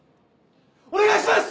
お願いします！